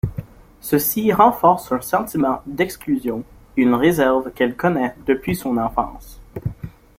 Ceci renforce un sentiment d’exclusion et une réserve qu’elle connaît depuis son enfance.